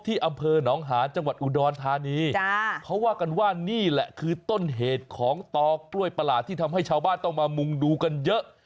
ท็อกกล้วยประหลาษที่ทำให้ชาวบ้านต้องมามุมดูกันเยอะ